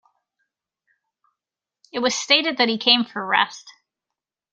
It was stated that he came for rest.